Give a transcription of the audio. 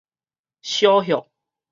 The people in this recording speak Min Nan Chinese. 小歇